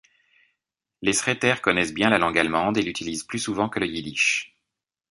Les Szreter connaissent bien la langue allemande et l'utilisent plus souvent que le yiddish.